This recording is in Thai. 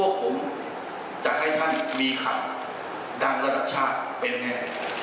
ผมจะให้ท่านมีคำดังระดับชาติเป็นไง